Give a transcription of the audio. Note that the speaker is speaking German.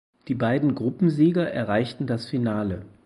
Die beiden Gruppensieger erreichten das Finale.